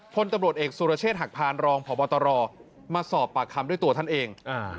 พลตำรวจเอกสุรเชษฐหักพานรองพบตรมาสอบปากคำด้วยตัวท่านเอง